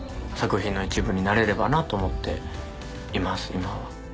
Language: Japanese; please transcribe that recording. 今は。